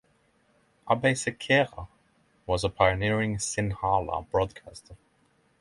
Abeysekera was a pioneering Sinhala broadcaster.